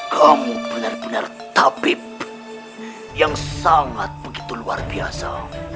kamu benar benar tabib yang sangat begitu luar biasa